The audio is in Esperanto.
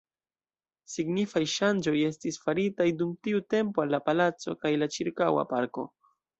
Signifaj ŝanĝoj estis faritaj dum tiu tempo al la palaco kaj la ĉirkaŭa parko.